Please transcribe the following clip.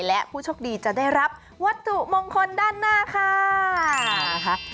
และผู้โชคดีจะได้รับวัตถุมงคลด้านหน้าค่ะนะคะ